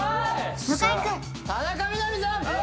向井君田中みな実さん